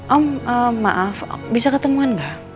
om maaf bisa ketemuan nggak